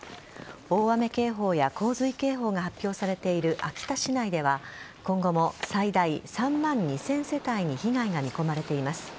大雨警報や洪水警報が発表されている秋田市内では今後も最大３万２０００世帯に被害が見込まれています。